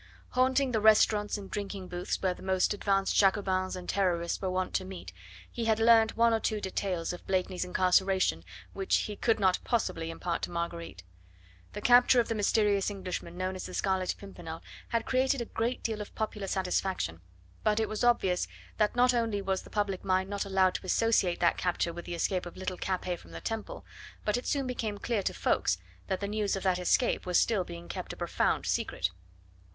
Haunting the restaurants and drinking booths where the most advanced Jacobins and Terrorists were wont to meet, he had learned one or two details of Blakeney's incarceration which he could not possibly impart to Marguerite. The capture of the mysterious Englishman known as the Scarlet Pimpernel had created a great deal of popular satisfaction; but it was obvious that not only was the public mind not allowed to associate that capture with the escape of little Capet from the Temple, but it soon became clear to Ffoulkes that the news of that escape was still being kept a profound secret.